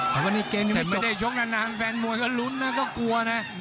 แต่ไม่ได้ชกนานแฟนมวยก็รุ้นนะก็กลัวนะ